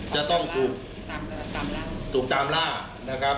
จะต้องถูกตามล่านะครับ